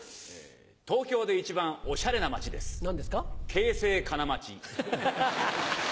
京成金町。